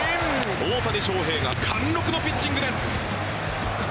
大谷翔平が貫禄のピッチングです！